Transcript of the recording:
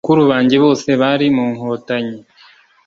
bakuru banjye bose bari mu Nkotanyi